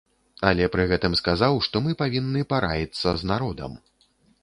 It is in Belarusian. Але пры гэтым сказаў, што мы павінны параіцца з народам.